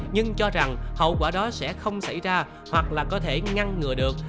nhưng cho rằng hậu quả đó sẽ không xảy ra hoặc là có thể ngăn ngừa được